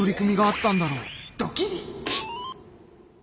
ドキリ。